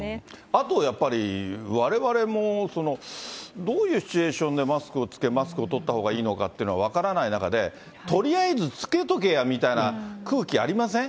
あとやっぱりわれわれも、どういうシチュエーションでマスクを着け、マスクを取ったほうがいいのかって分からない中で、とりあえずつけとけやみたいな空気ありません？